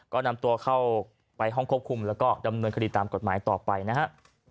ก็นำตัวเข้าไปห้องควบคุมแล้วก็ดำเนินคดีตามกฎหมายต่อไปนะฮะ